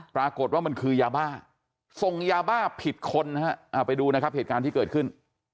ปรากฏว่ามันคือยาบ้าส่งยาบ้าผิดคนนะฮะไปดูนะครับเหตุการณ์ที่เกิดขึ้น